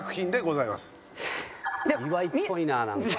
岩井っぽいななんか。